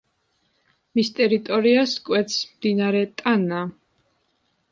მის ტერიტორიას კვეთს მდინარე ტანა.